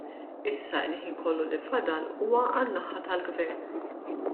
Issa l-ħin kollu li fadal huwa għan-naħa tal-gvern.